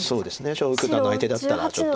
張栩九段が相手だったらちょっと。